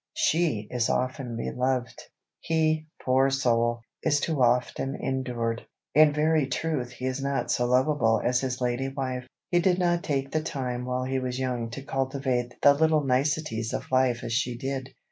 She is often beloved; he, poor soul! is too often endured. In very truth he is not so lovable as his lady wife. He did not take the time while he was young to cultivate the little niceties of life as she did.